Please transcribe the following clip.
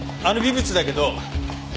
あの微物だけど。